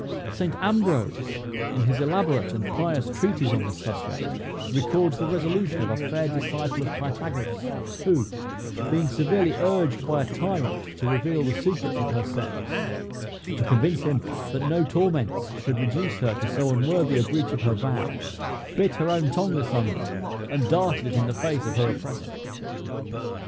Saint Ambrose, in his elaborate and pious treatise on this subject, records the resolution of a fair disciple of Pythagoras, who, being severely urged by a tyrant to reveal the secrets of her sex, to convince him that no torments should reduce her to so unworthy a breach of her vow, bit her own tongue asunder, and darted it in the face of her oppressor.